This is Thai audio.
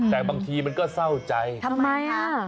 แต่บางทีมันก็เศร้าใจทำไมอ่ะ